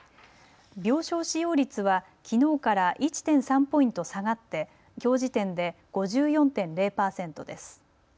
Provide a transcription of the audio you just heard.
病床使用率はきのうから１．３ポイント下がってきょう時点で５４．０％です。